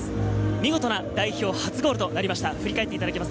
見事な代表初ゴールとなりました。